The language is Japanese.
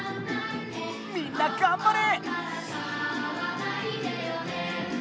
みんながんばれ！